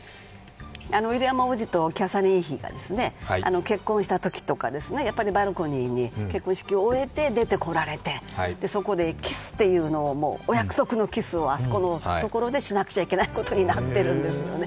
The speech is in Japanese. ウィリアム王子とキャサリン妃が結婚したときとか、やっぱりバルコニーに結婚式を終えて出てこられてそこでお約束のキスをあそこのところでしなくちゃいけないことになっているんですね。